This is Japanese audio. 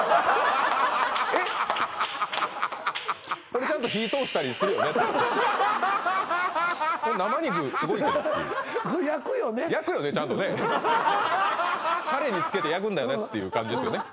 これちゃんとこれ生肉すごいけどっていうタレにつけて焼くんだよね？っていう感じですよね